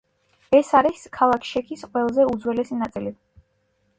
ეს არის ქალაქ შექის ყველაზე უძველესი ნაწილი.